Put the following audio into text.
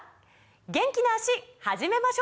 元気な脚始めましょう！